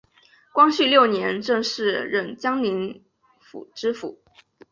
光绪六年正式任江宁府知府。